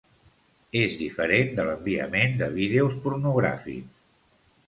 És diferent de l'enviament de vídeos pornogràfics.